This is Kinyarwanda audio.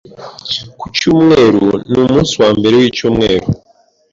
Ku cyumweru ni umunsi wambere wicyumweru.